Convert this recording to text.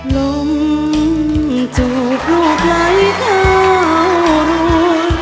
ตอบผลลิอไปแล้ว